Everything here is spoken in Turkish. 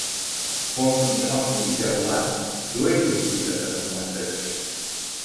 Korkunç Abdül ile olan düellosuyla tanınmaktadır.